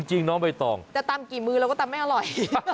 จริงน้องใบตองจะตำกี่มือเราก็ตำไม่อร่อย